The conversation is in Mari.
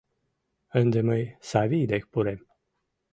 Ынде мый Савий дек пурем.